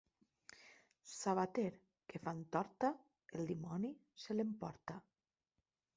Sabater que fa entorta, el dimoni se l'emporta.